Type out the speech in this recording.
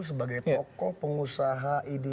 sebagai tokoh pengusaha